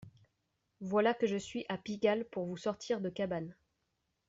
voilà que je suis à Pigalle pour vous sortir de cabane